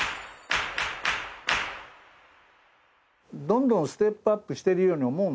どんどんステップアップしてるように思うんだよね。